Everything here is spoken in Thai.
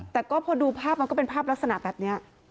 แต่ก็พอดูภาพมันก็เป็นภาพลักษณะแบบนี้